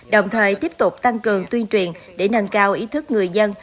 đồng thời tiếp tục tăng cường tuyên truyền để nâng cao ý thức người dân